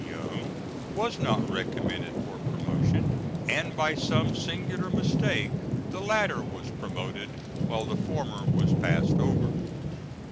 Young was not recommended for promotion, and by some singular mistake the latter was promoted, while the former was passed over."